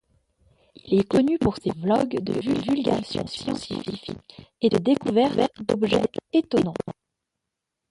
Il est connu pour ses vlogs de vulgarisation scientifiques et de découvertes d'objets étonnants.